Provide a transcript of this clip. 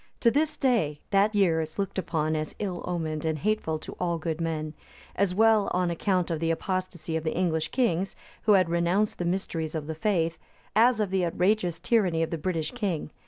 To this day, that year is looked upon as ill omened, and hateful to all good men; as well on account of the apostacy of the English kings, who had renounced the mysteries of the faith, as of the outrageous tyranny of the British king.